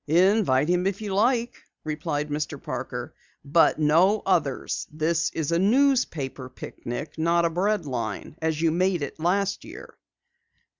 "Invite him if you like," replied Mr. Parker. "But no others. This is a newspaper picnic, not a bread line as you made it last year."